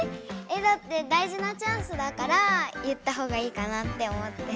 えだって大事なチャンスだから言ったほうがいいかなって思って。